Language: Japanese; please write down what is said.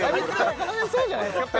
この辺そうじゃないですか？